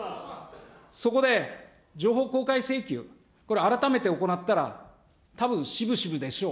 そこで、情報公開請求、これ、改めて行ったら、たぶん、渋々でしょう。